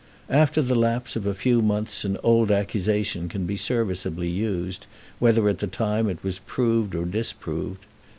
After the lapse of a few months an old accusation can be serviceably used, whether at the time it was proved or disproved.